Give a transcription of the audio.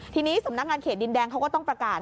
ทีนี้สำนักงานเขตดินแดงเขาก็ต้องประกาศ